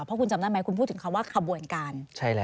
เพราะคุณจำได้ไหมคุณพูดถึงคำว่าขบวนการ